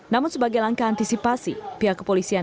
namun sebagai langkah antisipasi pihak kepolisian